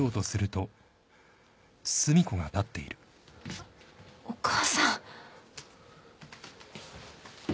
あっお母さん。